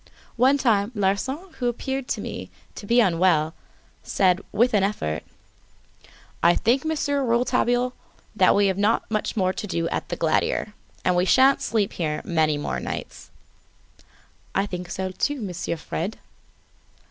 At one time, Larsan, who appeared to me to be unwell, said, with an effort: "I think, Monsieur Rouletabille, that we've not much more to do at the Glandier, and that we sha'n't sleep here many more nights." "I think so, too, Monsieur Fred."